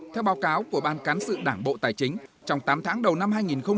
theo báo cáo của ban cán sự đảng bộ tài chính trong tám tháng đầu năm hai nghìn một mươi chín